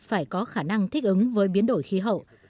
phải có khả năng thích ứng với biến đổi khí hậu